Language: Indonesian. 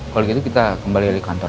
kalau begitu kita kembali dari kantor